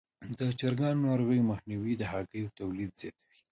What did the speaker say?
د چرګانو د ناروغیو مخنیوی د هګیو تولید زیاتوي.